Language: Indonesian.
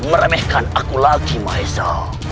meremehkan aku lagi baeza